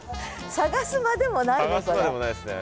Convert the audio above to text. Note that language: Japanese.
探すまでもないですね。